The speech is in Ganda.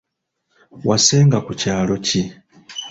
Wasenga ku kyalo ki?